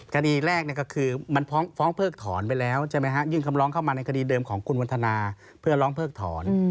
คดีแรกก็คือมันฟ้องเพิกถอนไปแล้วใช่ไหมฮะยื่นคำร้องเข้ามาในคดีเดิมของคุณวันทนาเพื่อร้องเพิกถอน